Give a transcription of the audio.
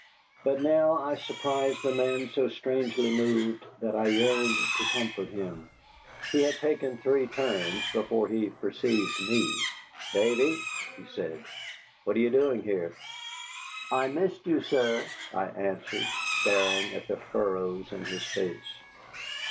But now I surprised the man so strangely moved that I yearned to comfort him. He had taken three turns before he perceived me. "Davy," he said, "what are you doing here?" "I missed you, sir," I answered, staring at the furrows in his face.